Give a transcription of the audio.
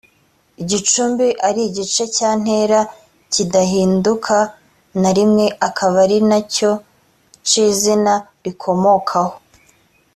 igicumbi ari igice cya ntera kidahinduka na rimwe akaba ari na cyo c’izina rikomokaho